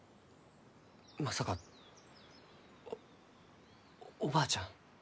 まさかおおばあちゃん？